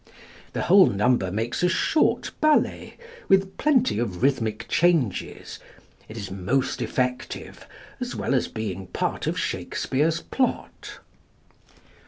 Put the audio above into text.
The whole number makes a short ballet, with plenty of rhythmic changes. It is most effective, as well as being part of Shakespeare's plot.